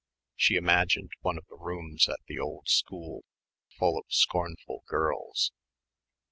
She imagined one of the rooms at the old school, full of scornful girls....